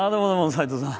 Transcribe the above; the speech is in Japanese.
斎藤さん！